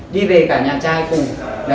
đi về cả nhà trai cùng